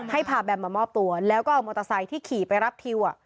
พาแบมมามอบตัวแล้วก็เอามอเตอร์ไซค์ที่ขี่ไปรับทิว